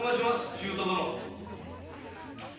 舅殿。